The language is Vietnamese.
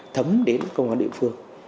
thấm đến công an địa phương